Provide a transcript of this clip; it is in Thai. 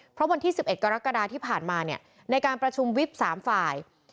เพราะวันที่๑๑กรกฎาที่ผ่านมาเนี่ยในการประชุมวิบ๓ฝ่าย